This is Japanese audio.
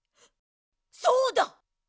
そうだ！